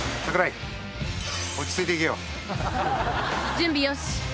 準備よし！